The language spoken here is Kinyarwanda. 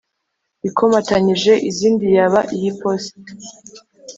Ikomatanyije izindi yaba iy iposita